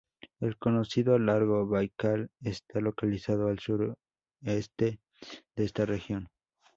El conocido lago Baikal está localizado al sureste de esta región.